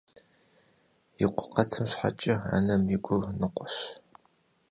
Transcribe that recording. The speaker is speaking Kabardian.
И къуэ къэтым щхьэкӀэ анэм и гур ныкъуэщ.